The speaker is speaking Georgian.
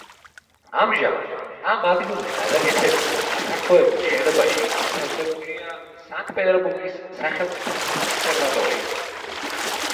ამჟამად ამ ადგილზე გადაკეთებულ და გაფართოებულ შენობაში განთავსებულია სანქტ-პეტერბურგის სახელმწიფო კონსერვატორია.